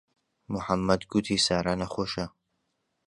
موحەممەد گوتی سارا نەخۆشە.